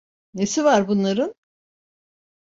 Nesi var bunların?